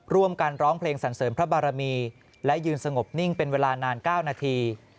ร้องเพลงสรรเสริมพระบารมีและยืนสงบนิ่งเป็นเวลานาน๙นาที